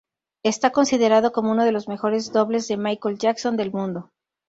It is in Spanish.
Está considerado como uno de los mejores dobles de Michael Jackson del mundo.